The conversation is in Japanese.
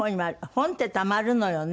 本ってたまるのよね。